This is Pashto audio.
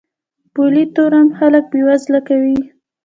پولي تورم خلک بې وزله کوي.